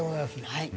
はい。